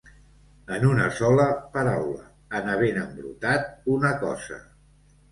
En una sola paraula, en havent embrutat una cosa.